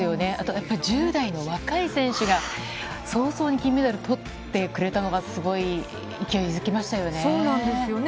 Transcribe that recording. やっぱりあと１０代の若い選手が、早々に金メダルとってくれたのがすごい勢いづきましたよね。